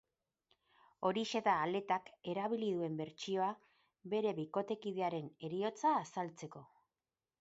Horixe da atletak erabili duen bertsioa bere bikotekidearen heriotza azaltzeko.